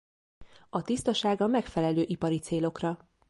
A tisztasága megfelelő ipari célokra.